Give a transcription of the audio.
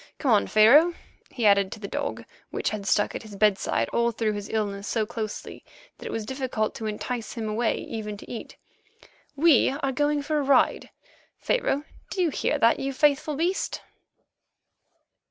Come on, Pharaoh," he added to the dog, which had stuck at his bedside all through his illness so closely that it was difficult to entice him away even to eat; "we are going for a ride, Pharaoh; do you hear that, you faithful beast?"